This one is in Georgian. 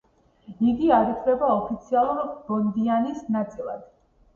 იგი არ ითვლება ოფიციალური ბონდიანის ნაწილად.